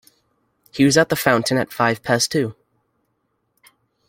He was at the Fountain at five past two.